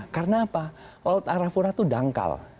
karena apa laut arafura itu dangkal